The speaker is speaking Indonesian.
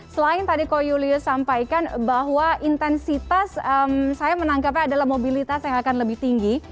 selain tadi ko yulius sampaikan bahwa intensitas saya menangkapnya adalah mobilitas yang akan lebih tinggi